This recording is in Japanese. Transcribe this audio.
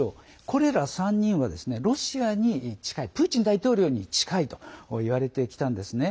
これら３人はロシアに近いプーチン大統領に近いといわれてきたんですね。